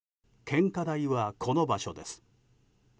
献花台は、この場所です。